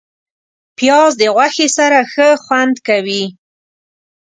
پیاز د غوښې سره ښه خوند کوي